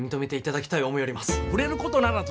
触れることならず。